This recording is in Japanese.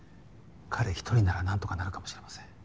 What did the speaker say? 彼ひとりならなんとかなるかもしれません。